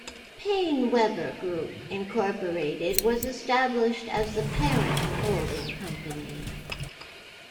PaineWebber Group Incorporated was established as the parent holding company.